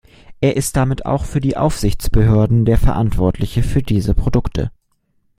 Er ist damit auch für die Aufsichtsbehörden der Verantwortliche für diese Produkte.